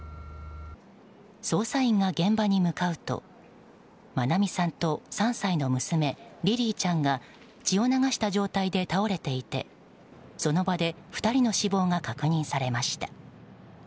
捜査員が現場に向かうと愛美さんと３歳の娘リリィちゃんが血を流した状態で倒れていて、その場で２人の死亡が確認されました。